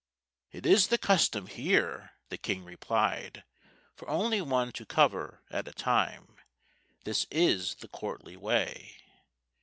_" "It is the custom here," the King replied, "For only one to cover at a time; This is the courtly way."